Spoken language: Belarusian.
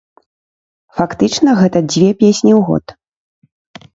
Фактычна, гэта дзве песні ў год.